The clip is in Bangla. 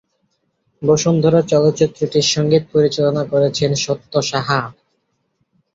বসুন্ধরা চলচ্চিত্রটির সঙ্গীত পরিচালনা করেছেন সত্য সাহা।